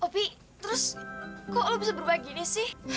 opi terus kok lo bisa berubah kayak gini sih